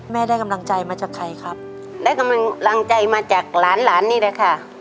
ได้กำลังใจมาจากใครครับได้กำลังใจมาจากหลานหลานนี่แหละค่ะ